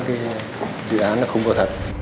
cái dự án nó không có thật